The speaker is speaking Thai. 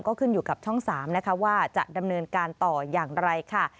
ก็ขึ้นอยู่กับช่อง๓นะคะว่าจะดำเนินการต่ออย่างไรค่ะ